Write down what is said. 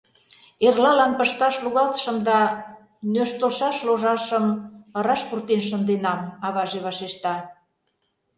— Эрлалан пышташ лугалтышым да нӧштылшаш ложашым ыраш пуртен шынденам, — аваже вашешта.